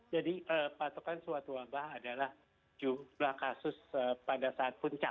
jadi patokan suatu wabah adalah jumlah kasus pada saat puncak